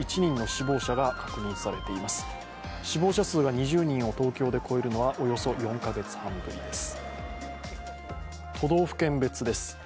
死亡者数が２０人を東京で超えるのはおよそ４カ月半ぶりです。